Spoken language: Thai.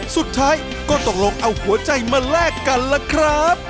สุดท้ายก็ต้องลองเอาหัวใจมาแลกกันล่ะครับ